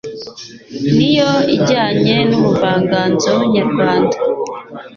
Niyo ijyanye n'ubuvanganzo nyarwanda